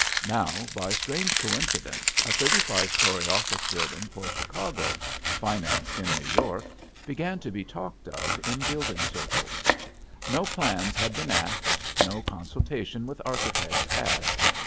Now, by strange coincidence, a thirty five story office building for Chicago, financed in New York, began to be talked of in building circles. No plans had been asked, no consultation with architects had.